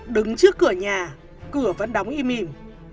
đứng trước cửa nhà cửa vẫn đóng im im